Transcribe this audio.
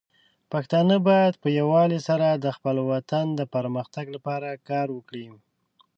پښتانه بايد په يووالي سره د خپل وطن د پرمختګ لپاره کار وکړي.